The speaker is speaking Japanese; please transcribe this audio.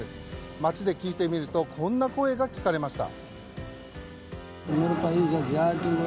街で聞いてみるとこんな声が聞かれました。